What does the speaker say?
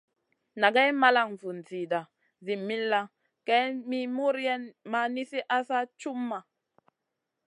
Nagay malan vun zida zi millàh, kay mi muriayn ma nizi asa cumʼma.